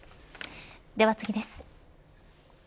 では次です。